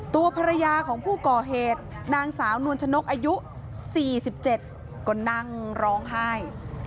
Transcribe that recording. ตัวภรรยาของผู้ก่อเหตุนางสาวนวลชนกอายุ๔๗ก็นั่งร้องไห้